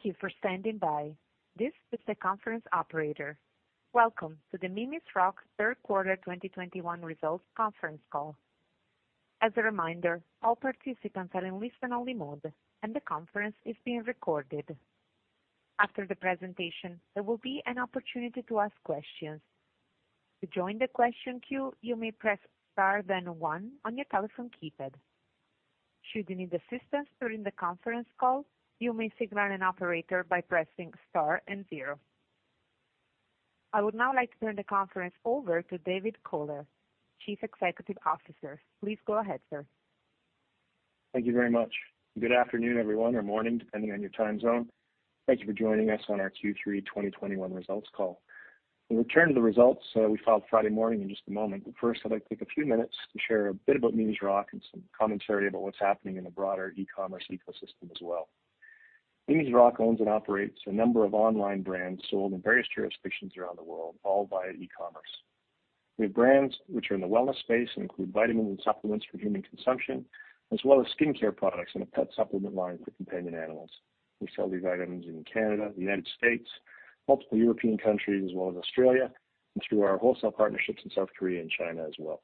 Thank you for standing by. This is the conference operator. Welcome to the Mimi's Rock Third Quarter 2021 Results Conference Call. As a reminder, all participants are in listen-only mode, and the conference is being recorded. After the presentation, there will be an opportunity to ask questions. To join the question queue, you may press star then one on your telephone keypad. Should you need assistance during the conference call, you may signal an operator by pressing star and zero. I would now like to turn the conference over to David Kohler, Chief Executive Officer. Please go ahead, sir. Thank you very much. Good afternoon, everyone, or morning, depending on your time zone. Thank you for joining us on our Q3 2021 results call. We'll return to the results we filed Friday morning in just a moment. First, I'd like to take a few minutes to share a bit about Mimi's Rock and some commentary about what's happening in the broader e-commerce ecosystem as well. Mimi's Rock owns and operates a number of online brands sold in various jurisdictions around the world, all via e-commerce. We have brands which are in the wellness space and include vitamins and supplements for human consumption, as well as skincare products and a pet supplement line for companion animals. We sell these items in Canada, the U.S., multiple European countries, as well as Australia, and through our wholesale partnerships in South Korea and China as well.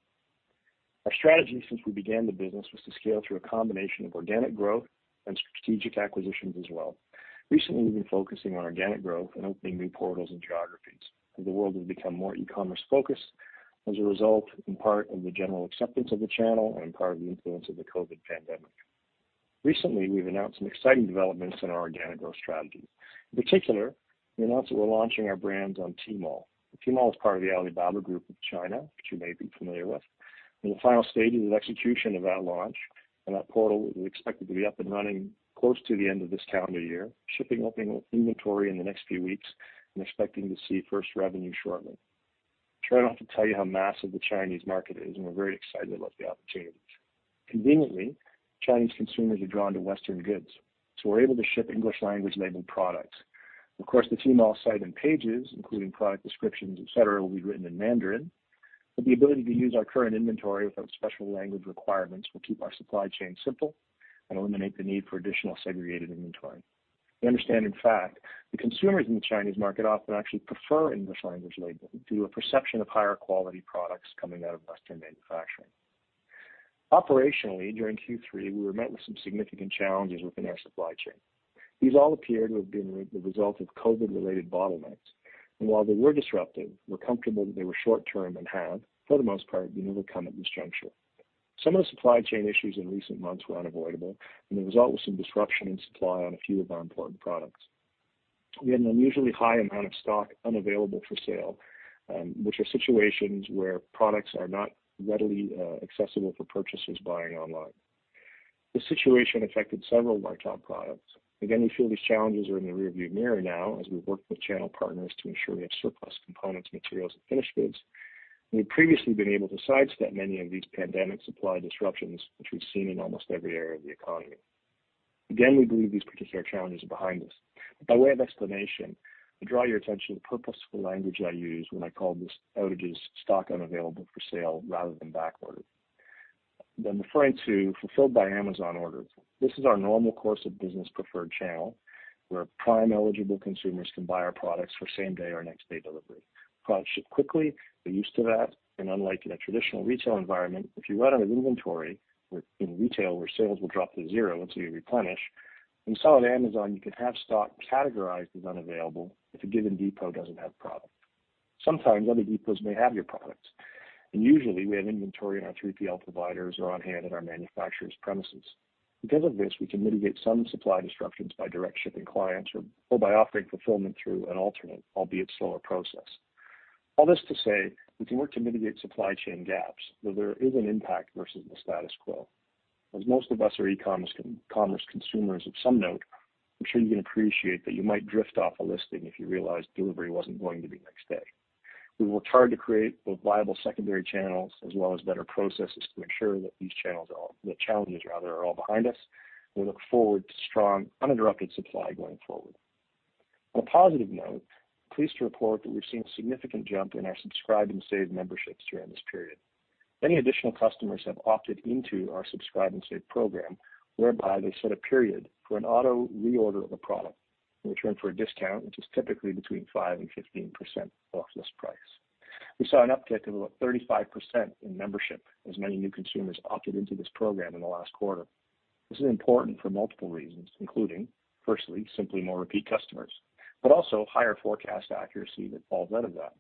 Our strategy since we began the business was to scale through a combination of organic growth and strategic acquisitions as well. Recently, we've been focusing on organic growth and opening new portals and geographies as the world has become more e-commerce focused as a result, in part of the general acceptance of the channel and in part of the influence of the COVID-19 pandemic. Recently, we've announced some exciting developments in our organic growth strategy. In particular, we announced that we're launching our brands on Tmall. Tmall is part of the Alibaba Group of China, which you may be familiar with. We're in the final stages of execution of that launch, and that portal is expected to be up and running close to the end of this calendar year, shipping opening inventory in the next few weeks and expecting to see first revenue shortly. I try not to tell you how massive the Chinese market is, and we're very excited about the opportunities. Conveniently, Chinese consumers are drawn to Western goods, so we're able to ship English language labeled products. Of course, the Tmall site and pages, including product descriptions, et cetera, will be written in Mandarin, but the ability to use our current inventory without special language requirements will keep our supply chain simple and eliminate the need for additional segregated inventory. We understand, in fact, the consumers in the Chinese market often actually prefer English language labeling due to a perception of higher quality products coming out of Western manufacturing. Operationally, during Q3, we were met with some significant challenges within our supply chain. These all appeared to have been the result of COVID-related bottlenecks. While they were disruptive, we're comfortable that they were short-term and have, for the most part, been overcome at this juncture. Some of the supply chain issues in recent months were unavoidable, and the result was some disruption in supply on a few of our important products. We had an unusually high amount of stock unavailable for sale, which are situations where products are not readily accessible for purchasers buying online. This situation affected several of our top products. We feel these challenges are in the rearview mirror now as we've worked with channel partners to ensure we have surplus components, materials, and finished goods. We've previously been able to sidestep many of these pandemic supply disruptions, which we've seen in almost every area of the economy. We believe these particular challenges are behind us. By way of explanation, I draw your attention to the purposeful language I use when I call these outages stock unavailable for sale rather than backordered. I'm referring to Fulfilled by Amazon orders. This is our normal course of business preferred channel, where Prime-eligible consumers can buy our products for same-day or next-day delivery. Products ship quickly, you're used to that, and unlike in a traditional retail environment, if you run out of inventory in retail where sales will drop to zero until you replenish, when you sell on Amazon, you can have stock categorized as unavailable if a given depot doesn't have product. Sometimes other depots may have your products, and usually we have inventory in our 3PL providers or on hand at our manufacturer's premises. Because of this, we can mitigate some supply disruptions by direct shipping clients or by offering fulfillment through an alternate, albeit slower process. All this to say, we can work to mitigate supply chain gaps, though there is an impact versus the status quo. As most of us are e-commerce consumers of some note, I'm sure you can appreciate that you might drift off a listing if you realized delivery wasn't going to be next day. We worked hard to create both viable secondary channels as well as better processes to ensure that these challenges are all behind us. We look forward to strong, uninterrupted supply going forward. On a positive note, I'm pleased to report that we've seen a significant jump in our Subscribe & Save memberships during this period. Many additional customers have opted into our Subscribe & Save program, whereby they set a period for an auto reorder of a product in return for a discount, which is typically between 5% and 15% off list price. We saw an uptick of about 35% in membership as many new consumers opted into this program in the last quarter. This is important for multiple reasons, including, firstly, simply more repeat customers, but also higher forecast accuracy that falls out of that.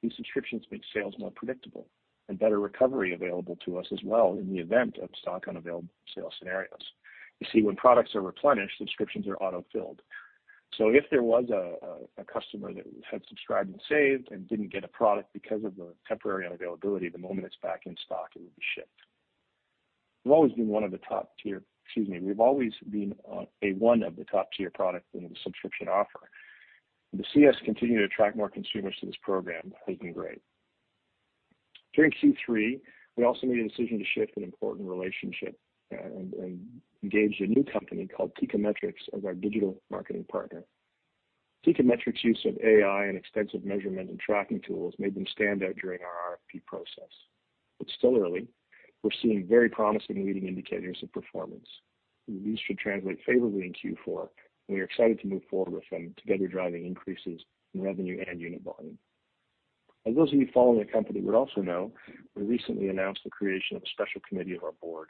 These subscriptions make sales more predictable and better recovery available to us as well in the event of stock unavailable for sale scenarios. You see, when products are replenished, subscriptions are auto-filled. If there was a customer that had subscribed and saved and didn't get a product because of the temporary unavailability, the moment it's back in stock, it would be shipped. We've always been one of the top tier products in the subscription offer. To see us continue to attract more consumers to this program has been great. During Q3, we also made a decision to shift an important relationship and engaged a new company called Teikametrics as our digital marketing partner. Teikametrics' use of AI and extensive measurement and tracking tools made them stand out during our RFP process. It's still early. We're seeing very promising leading indicators of performance. These should translate favorably in Q4. We are excited to move forward with them together, driving increases in revenue and unit volume. As those of you following the company would also know, we recently announced the creation of a special committee of our board.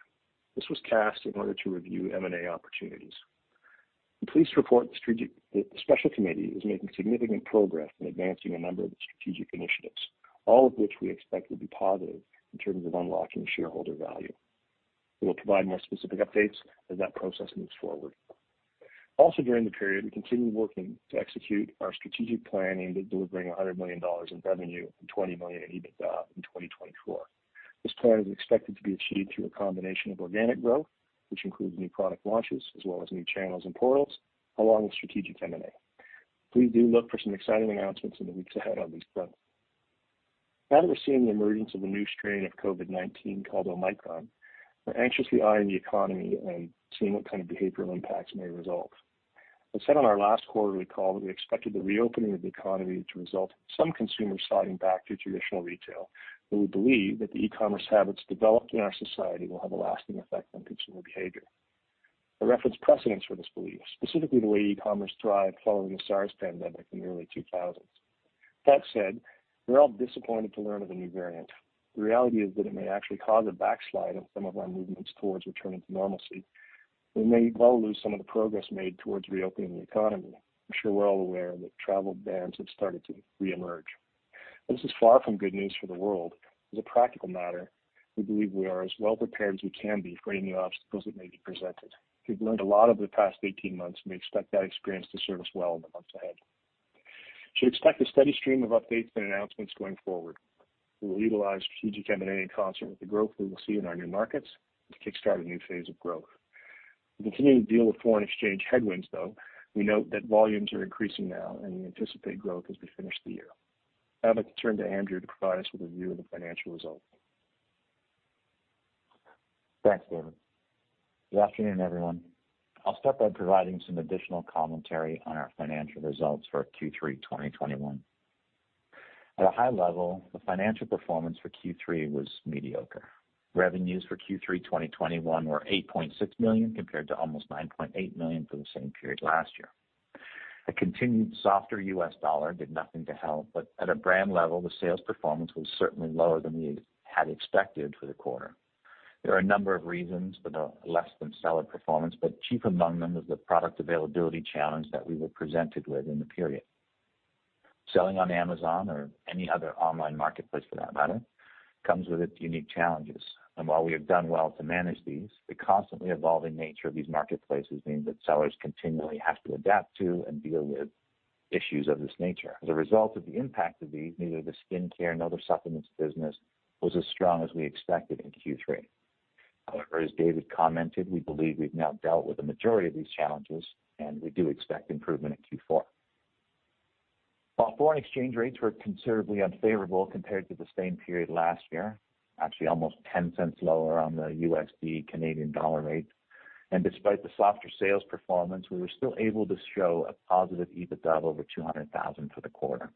This was tasked in order to review M&A opportunities. I'm pleased to report that the special committee is making significant progress in advancing a number of strategic initiatives, all of which we expect will be positive in terms of unlocking shareholder value. We will provide more specific updates as that process moves forward. During the period, we continued working to execute our strategic plan aimed at delivering 100 million dollars in revenue and 20 million in EBITDA in 2024. This plan is expected to be achieved through a combination of organic growth, which includes new product launches as well as new channels and portals, along with strategic M&A. Please do look for some exciting announcements in the weeks ahead on these fronts. Now that we're seeing the emergence of a new strain of COVID-19 called Omicron, we're anxiously eyeing the economy and seeing what kind of behavioral impacts may result. I said on our last quarterly call that we expected the reopening of the economy to result in some consumers sliding back to traditional retail, but we believe that the e-commerce habits developed in our society will have a lasting effect on consumer behavior. I reference precedents for this belief, specifically the way e-commerce thrived following the SARS pandemic in the early 2000s. That said, we're all disappointed to learn of the new variant. The reality is that it may actually cause a backslide in some of our movements towards returning to normalcy. We may well lose some of the progress made towards reopening the economy. I'm sure we're all aware that travel bans have started to reemerge. This is far from good news for the world. As a practical matter, we believe we are as well prepared as we can be for any new obstacles that may be presented. We've learned a lot over the past 18 months and we expect that experience to serve us well in the months ahead. You should expect a steady stream of updates and announcements going forward. We will utilize strategic M&A in concert with the growth we will see in our new markets to kickstart a new phase of growth. We continue to deal with foreign exchange headwinds, though we note that volumes are increasing now and we anticipate growth as we finish the year. Now I'd like to turn to Andrew to provide us with a review of the financial results. Thanks, David. Good afternoon, everyone. I'll start by providing some additional commentary on our financial results for Q3 2021. At a high level, the financial performance for Q3 was mediocre. Revenues for Q3 2021 were 8.6 million, compared to almost 9.8 million for the same period last year. A continued softer U.S. dollar did nothing to help, but at a brand level, the sales performance was certainly lower than we had expected for the quarter. There are a number of reasons for the less-than-stellar performance, but chief among them is the product availability challenge that we were presented with in the period. Selling on Amazon, or any other online marketplace for that matter, comes with its unique challenges, and while we have done well to manage these, the constantly evolving nature of these marketplaces means that sellers continually have to adapt to and deal with issues of this nature. As a result of the impact of these, neither the skincare nor the supplements business was as strong as we expected in Q3. However, as David commented, we believe we've now dealt with the majority of these challenges, and we do expect improvement in Q4. While foreign exchange rates were considerably unfavorable compared to the same period last year, actually almost 0.10 lower on the USD/Canadian dollar rate, and despite the softer sales performance, we were still able to show a positive EBITDA of over 200,000 for the quarter.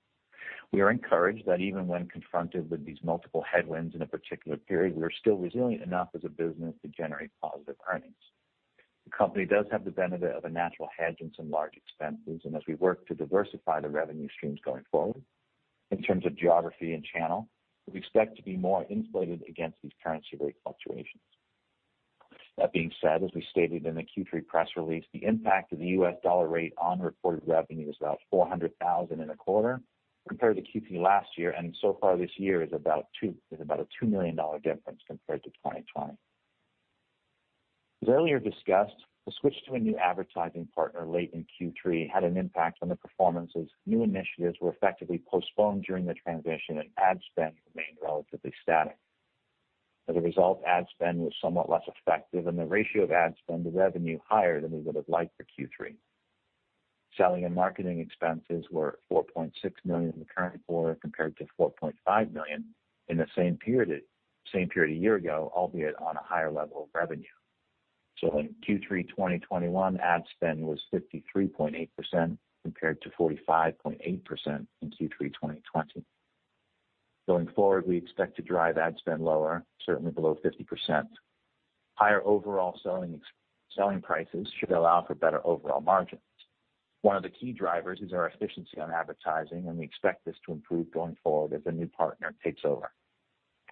We are encouraged that even when confronted with these multiple headwinds in a particular period, we are still resilient enough as a business to generate positive earnings. The company does have the benefit of a natural hedge in some large expenses, and as we work to diversify the revenue streams going forward in terms of geography and channel, we expect to be more insulated against these currency rate fluctuations. That being said, as we stated in the Q3 press release, the impact of the U.S. dollar rate on reported revenue is about $400,000 in a quarter compared to Q3 last year, and so far this year is about a $2 million difference compared to 2020. As earlier discussed, the switch to a new advertising partner late in Q3 had an impact on the performance as new initiatives were effectively postponed during the transition and ad spend remained relatively static. As a result, ad spend was somewhat less effective, and the ratio of ad spend to revenue higher than we would have liked for Q3. Selling and marketing expenses were 4.6 million in the current quarter, compared to 4.5 million in the same period a year ago, albeit on a higher level of revenue. In Q3 2021, ad spend was 53.8%, compared to 45.8% in Q3 2020. Going forward, we expect to drive ad spend lower, certainly below 50%. Higher overall selling prices should allow for better overall margins. One of the key drivers is our efficiency on advertising, and we expect this to improve going forward as a new partner takes over.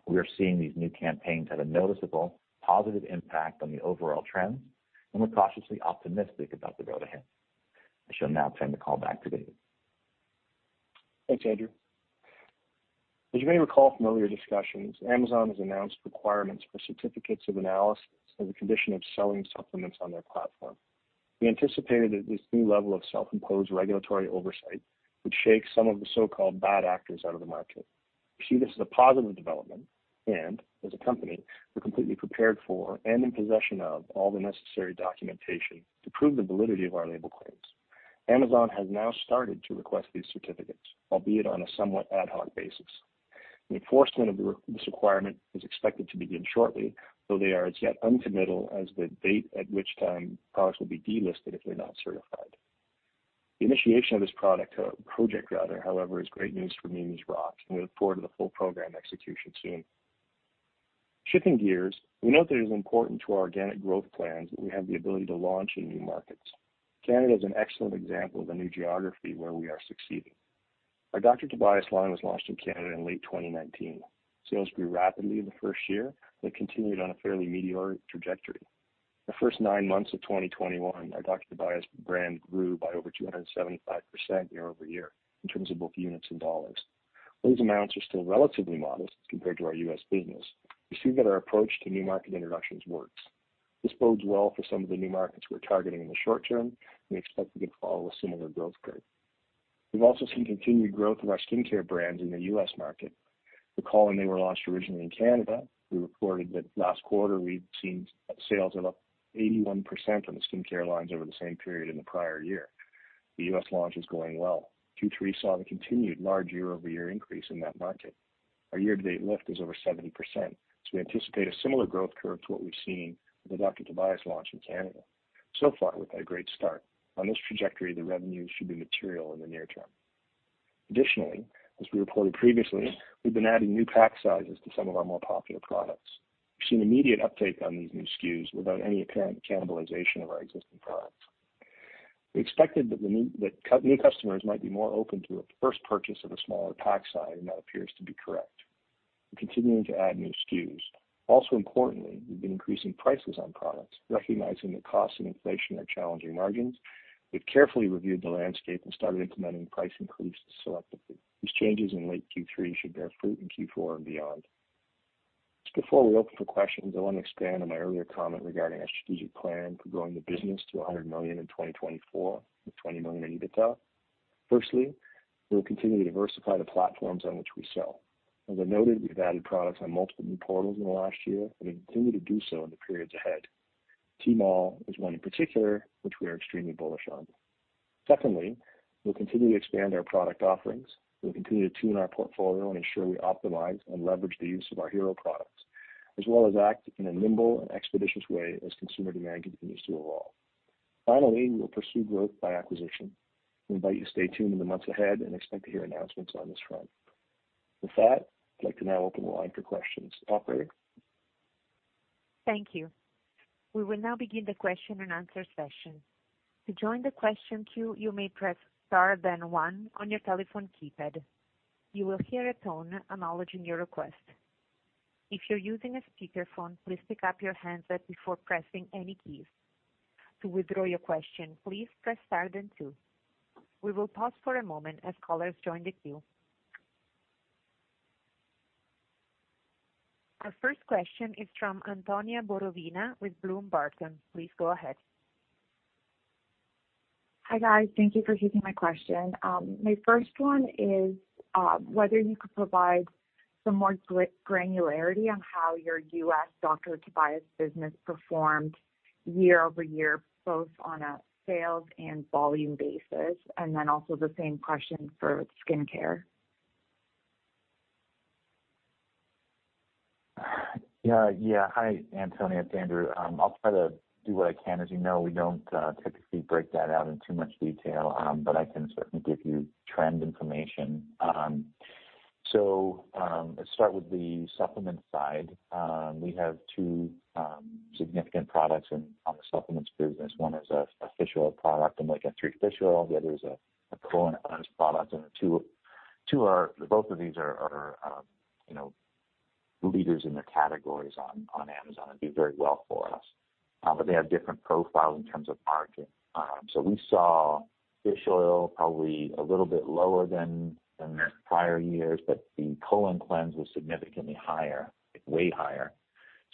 We are seeing these new campaigns have a noticeable positive impact on the overall trends, and we're cautiously optimistic about the road ahead. I shall now turn the call back to David. Thanks, Andrew. As you may recall from earlier discussions, Amazon has announced requirements for certificates of analysis as a condition of selling supplements on their platform. We anticipated that this new level of self-imposed regulatory oversight would shake some of the so-called bad actors out of the market. We see this as a positive development and as a company, we're completely prepared for and in possession of all the necessary documentation to prove the validity of our label claims. Amazon has now started to request these certificates, albeit on a somewhat ad hoc basis. Enforcement of this requirement is expected to begin shortly, though they are as yet uncommittal as the date at which time products will be delisted if they're not certified. The initiation of this project, however, is great news for Mimi's Rock, and we look forward to the full program execution soon. Shifting gears, we note that it is important to our organic growth plans that we have the ability to launch in new markets. Canada is an excellent example of a new geography where we are succeeding. Our Dr. Tobias line was launched in Canada in late 2019. Sales grew rapidly in the first year, and it continued on a fairly meteoric trajectory. The first nine months of 2021, our Dr. Tobias brand grew by over 275% year-over-year in terms of both units and dollars. Those amounts are still relatively modest compared to our U.S. business. We see that our approach to new market introductions works. This bodes well for some of the new markets we're targeting in the short term, and we expect it to follow a similar growth curve. We've also seen continued growth in our skincare brands in the U.S. market. Recalling they were launched originally in Canada, we reported that last quarter we'd seen sales of up 81% on the skincare lines over the same period in the prior year. The U.S. launch is going well. Q3 saw the continued large year-over-year increase in that market. Our year-to-date lift is over 70%, so we anticipate a similar growth curve to what we've seen with the Dr. Tobias launch in Canada. So far, we've had a great start. On this trajectory, the revenues should be material in the near term. Additionally, as we reported previously, we've been adding new pack sizes to some of our more popular products. We've seen immediate uptake on these new SKUs without any apparent cannibalization of our existing products. We expected that new customers might be more open to a first purchase of a smaller pack size, and that appears to be correct. We're continuing to add new SKUs. Also importantly, we've been increasing prices on products, recognizing that costs and inflation are challenging margins. We've carefully reviewed the landscape and started implementing price increases selectively. These changes in late Q3 should bear fruit in Q4 and beyond. Before we open for questions, I want to expand on my earlier comment regarding our strategic plan for growing the business to 100 million in 2024 with 20 million in EBITDA. Firstly, we will continue to diversify the platforms on which we sell. As I noted, we've added products on multiple new portals in the last year and will continue to do so in the periods ahead. Tmall is one in particular which we are extremely bullish on. Secondly, we'll continue to expand our product offerings. We'll continue to tune our portfolio and ensure we optimize and leverage the use of our hero products, as well as act in a nimble and expeditious way as consumer demand continues to evolve. Finally, we will pursue growth by acquisition. We invite you to stay tuned in the months ahead and expect to hear announcements on this front. With that, I'd like to now open the line for questions. Operator? Thank you. We will now begin the question and answer session. Our first question is from Antonia Borovina with Bloom Burton. Please go ahead. Hi, guys. Thank you for taking my question. My first one is whether you could provide some more granularity on how your U.S. Dr. Tobias business performed year-over-year, both on a sales and volume basis, and then also the same question for skincare. Yeah. Hi, Antonia. It's Andrew. I'll try to do what I can. As you know, we don't typically break that out in too much detail, but I can certainly give you trend information. Let's start with the supplement side. We have two significant products in our supplements business. One is a fish oil product, Omega 3 Fish Oil. The other is a colon cleanse product. The both of these are leaders in their categories on Amazon and do very well for us. They have different profiles in terms of margin. We saw fish oil probably a little bit lower than the prior years, but the colon cleanse was significantly higher. Way higher.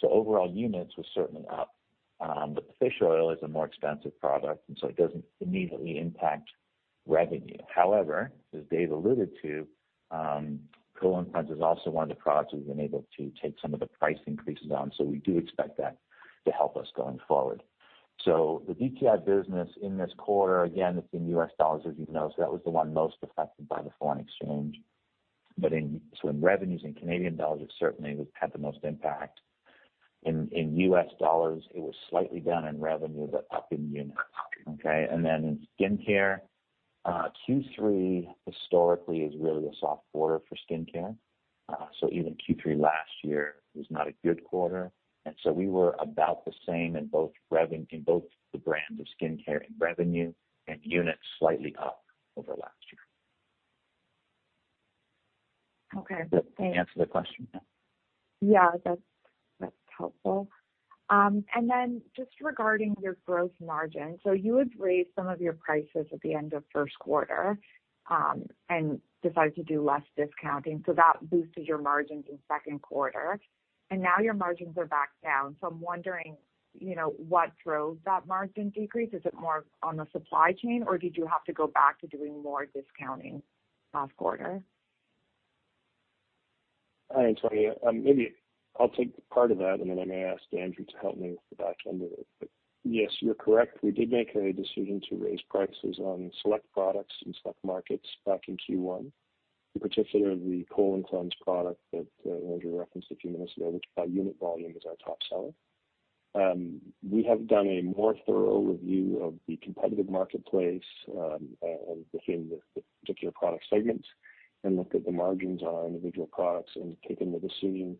Overall units were certainly up, but the fish oil is a more expensive product, and so it doesn't immediately impact revenue. However, as Dave alluded to, Colon Cleanse is also one of the products we've been able to take some of the price increases on. We do expect that to help us going forward. The Dr. Tobias business in this quarter, again, it's in U.S. dollars, as you know, that was the one most affected by the foreign exchange. In revenues in Canadian dollars, it certainly had the most impact. In U.S. dollars, it was slightly down in revenue, but up in units. Okay? In skincare, Q3 historically is really a soft quarter for skincare. Even Q3 last year was not a good quarter. We were about the same in both the brands of skincare in revenue and units slightly up over last year. Okay, thanks. Does that answer the question? Yeah. That's helpful. Just regarding your gross margin, you had raised some of your prices at the end of first quarter and decided to do less discounting, so that boosted your margins in second quarter. Now your margins are back down. I'm wondering what drove that margin decrease. Is it more on the supply chain, or did you have to go back to doing more discounting last quarter? Hi, Antonia. I'll take part of that, and then I may ask Andrew to help me with the back end of it. Yes, you're correct. We did make a decision to raise prices on select products in select markets back in Q1, in particular the Colon Cleanse product that Andrew referenced a few minutes ago, which by unit volume is our top seller. We have done a more thorough review of the competitive marketplace within the particular product segments and looked at the margins on individual products and taken the decision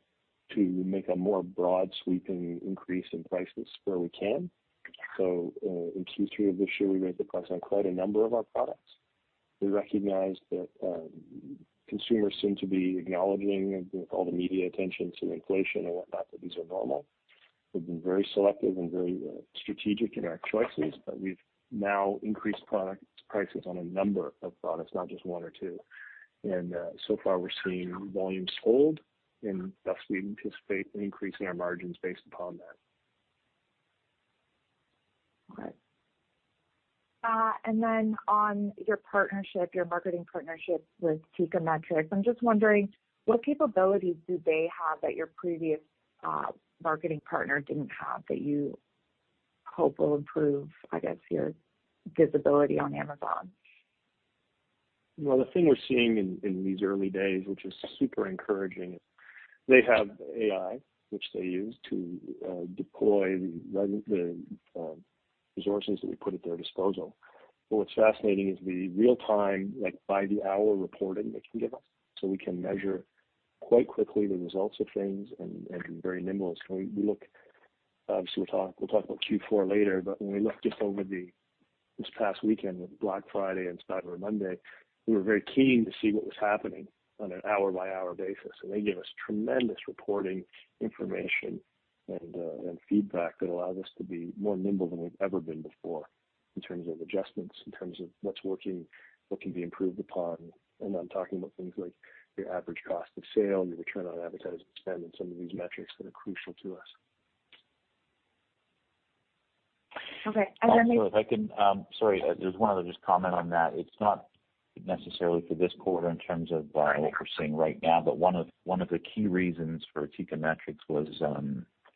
to make a more broad-sweeping increase in prices where we can. In Q3 of this year, we raised the price on quite a number of our products. We recognize that consumers seem to be acknowledging, with all the media attention to inflation and whatnot, that these are normal. We've been very selective and very strategic in our choices, but we've now increased prices on a number of products, not just one or two. So far we're seeing volumes hold and thus we anticipate increasing our margins based upon that. Okay. Then on your partnership, your marketing partnership with Teikametrics, I'm just wondering what capabilities do they have that your previous marketing partner didn't have that you hope will improve, I guess, your visibility on Amazon? Well, the thing we're seeing in these early days, which is super encouraging, is they have AI, which they use to deploy the resources that we put at their disposal. What's fascinating is the real-time, like by-the-hour reporting they can give us, so we can measure quite quickly the results of things and be very nimble. Obviously, we'll talk about Q4 later, but when we looked just over this past weekend with Black Friday and Cyber Monday, we were very keen to see what was happening on an hour-by-hour basis. They gave us tremendous reporting information and feedback that allowed us to be more nimble than we've ever been before in terms of adjustments, in terms of what's working, what can be improved upon. I'm talking about things like your average cost of sale and your return on advertising spend and some of these metrics that are crucial to us. Okay. Then maybe- Sorry, there's one other just comment on that. It's not necessarily for this quarter in terms of what we're seeing right now, but one of the key reasons for Teikametrics was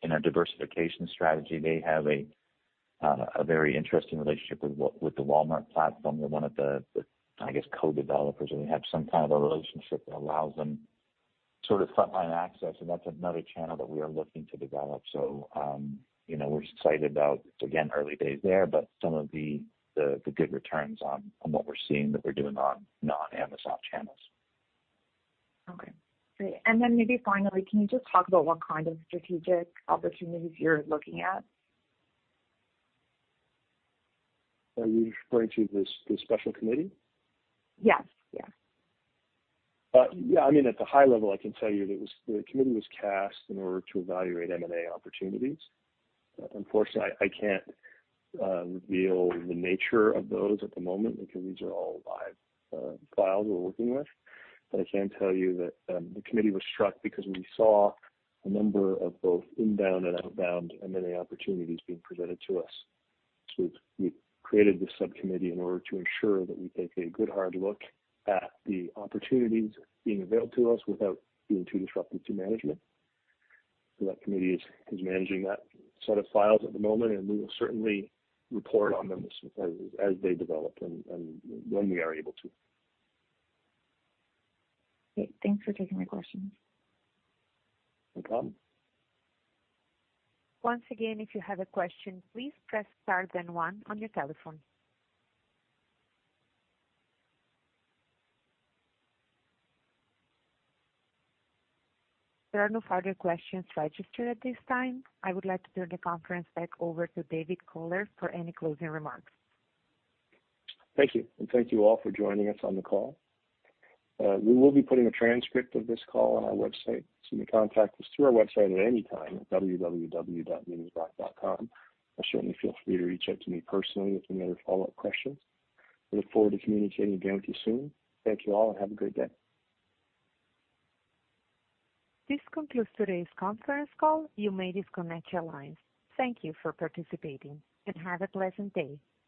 in our diversification strategy. They have a very interesting relationship with the Walmart platform. They're one of the, I guess, co-developers, or they have some kind of a relationship that allows them sort of frontline access. That's another channel that we are looking to develop. We're excited about, again, early days there, but some of the good returns on what we're seeing that we're doing on non-Amazon channels. Okay. Great. Maybe finally, can you just talk about what kind of strategic opportunities you're looking at? Are you referring to the special committee? Yes. Yeah. I mean, at the high level, I can tell you that the committee was cast in order to evaluate M&A opportunities. Unfortunately, I can't reveal the nature of those at the moment because these are all live files we're working with. I can tell you that the committee was struck because we saw a number of both inbound and outbound M&A opportunities being presented to us. We created this subcommittee in order to ensure that we take a good hard look at the opportunities being available to us without being too disruptive to management. That committee is managing that set of files at the moment, and we will certainly report on them as they develop and when we are able to. Great. Thanks for taking my questions. Welcome. Once again, if you have a question, please press star then one on your telephone. There are no further questions registered at this time. I would like to turn the conference back over to David Kohler for any closing remarks. Thank you. Thank you all for joining us on the call. We will be putting a transcript of this call on our website. You may contact us through our website at any time at www.mimisrock.com. Certainly feel free to reach out to me personally with any other follow-up questions. We look forward to communicating again with you soon. Thank you all. Have a great day. This concludes today's conference call. You may disconnect your lines. Thank you for participating, and have a pleasant day.